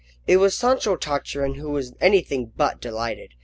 It was Sancho Tartarin who was anything but delighted.